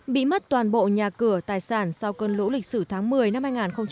bị mất toàn bộ nhà cửa tài sản sau cơn lũ lịch sử tháng một mươi năm hai nghìn một mươi tám